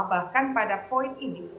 bahkan pada poin ini